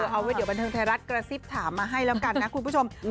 เอาไว้เดี๋ยวบันเทิงไทยรัฐกระซิบถามมาให้แล้วกันนะคุณผู้ชม